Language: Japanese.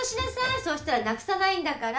そしたらなくさないんだから。